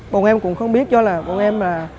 bọn em cũng không biết do là bọn em là